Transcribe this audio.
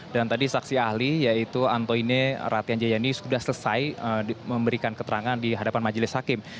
dan tadi saksi ahli yaitu antoine ratianjayani sudah selesai memberikan keterangan di hadapan majelis hakim